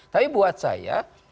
tapi buat saya